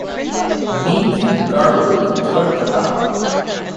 Meath and Carlow entered the cup.